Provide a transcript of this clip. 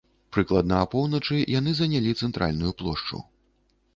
Прыкладна апоўначы яны занялі цэнтральную плошчу.